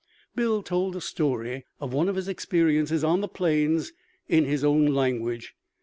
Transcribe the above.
Bill told a story of one of his experiences on the plains in his own language.